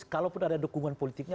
kalaupun ada dukungan politiknya